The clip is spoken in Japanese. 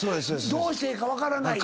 どうしてええか分からない。